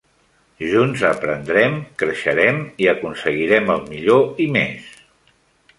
Junts aprendrem, creixerem i aconseguirem el millor i més.